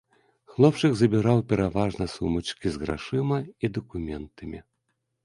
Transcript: Хлопчык забіраў пераважна сумачкі з грашыма і дакументамі.